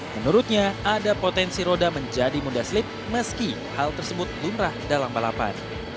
menurutnya ada potensi roda menjadi mudah slip meski hal tersebut lumrah dalam balapan